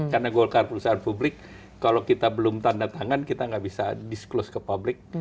karena golkar perusahaan publik kalau kita belum tanda tangan kita nggak bisa disclose ke publik